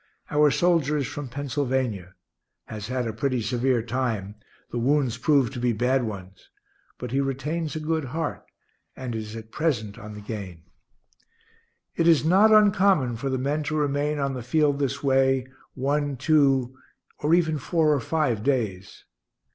Our soldier is from Pennsylvania; has had a pretty severe time; the wounds proved to be bad ones. But he retains a good heart, and is at present on the gain. It is not uncommon for the men to remain on the field this way, one, two, or even four or five days.